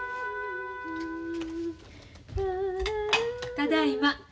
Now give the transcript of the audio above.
ただいま。